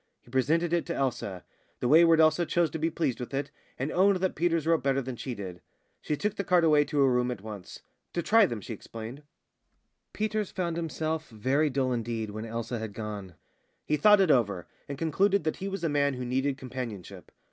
He presented it to Elsa. The wayward Elsa chose to be pleased with it, and owned that Peters wrote better than she did. She took the card away to her room at once "to try them," she explained. Peters found himself very dull indeed when Elsa had gone. He thought it over, and concluded that he was a man who needed companionship.